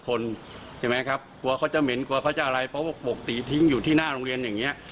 กลัวเขาจะเหม็นกลัวเขาจะอะไรเพราะปกปกติทิ้งอยู่ที่หน้าโรงเรียนอย่างเงี้ย